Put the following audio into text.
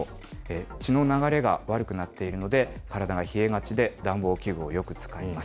血の流れが悪くなっているので、体が冷えがちで、暖房器具をよく使います。